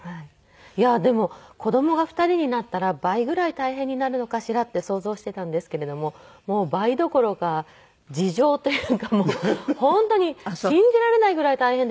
いやでも子供が２人になったら倍ぐらい大変になるのかしらって想像していたんですけれどももう倍どころか二乗というか本当に信じられないぐらい大変で。